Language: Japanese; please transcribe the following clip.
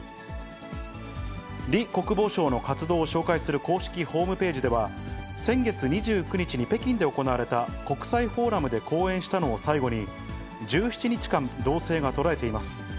李国防相の活動を紹介する公式ホームページでは、先月２９日に北京で行われた国際フォーラムで講演したのを最後に、１７日間、動静が途絶えています。